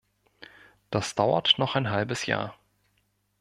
Das dauert noch ein halbes Jahr.